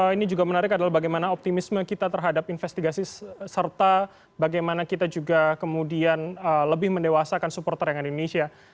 ini juga menarik adalah bagaimana optimisme kita terhadap investigasi serta bagaimana kita juga kemudian lebih mendewasakan supporter yang ada di indonesia